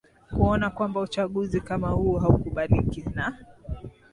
kuona kwamba uchaguzi kama huu haukubaliki na